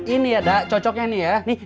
ini ya dak cocoknya nih ya